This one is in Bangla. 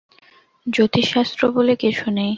জ্যোতিষ শাস্ত্র বলে কিছু নেই।